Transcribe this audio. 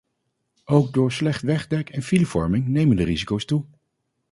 Ook door slecht wegdek en filevorming nemen de risico's toe.